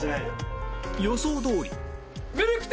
予想どおり